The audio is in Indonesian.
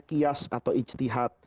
qiyas atau ijtihad